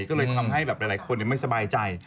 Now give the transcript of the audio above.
ก็เลยทำให้แบบหลายคนไม่สบายใจ